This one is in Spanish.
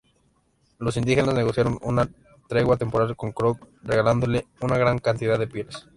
Los indígenas negociaron una tregua temporal con Crook, regalándole una gran cantidad de pieles.